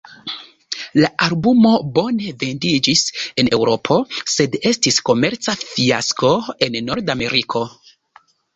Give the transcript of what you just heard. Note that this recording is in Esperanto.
La albumo bone vendiĝis en Eŭropo sed estis komerca fiasko en Nord-Ameriko.